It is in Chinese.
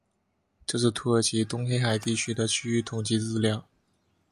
这是土耳其东黑海地区的区域统计资料。